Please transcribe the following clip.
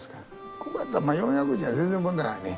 ここやったらまあ４００人は全然問題ないね。